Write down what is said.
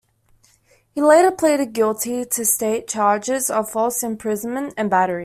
He later pleaded guilty to state charges of false imprisonment and battery.